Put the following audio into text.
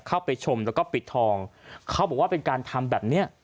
เข้าไปชมแล้วก็ปิดทองเขาบอกว่าเป็นการทำแบบเนี้ย